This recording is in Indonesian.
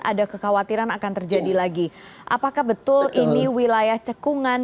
ada kekhawatiran akan terjadi lagi apakah betul ini wilayah cekungan